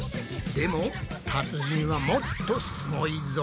でも達人はもっとすごいぞ。